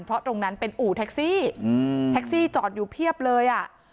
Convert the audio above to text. เพราะตรงนั้นเป็นอู่แท็กซี่แท็กซี่จอดอยู่เพียบเลยอ่ะ